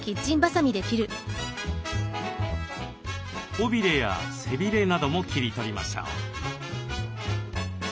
尾びれや背びれなども切り取りましょう。